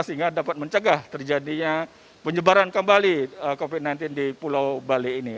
sehingga dapat mencegah terjadinya penyebaran kembali covid sembilan belas di pulau bali ini